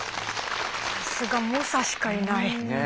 さすが猛者しかいない。